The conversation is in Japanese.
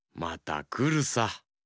またくるさ。